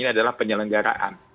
ini adalah penyelenggaraan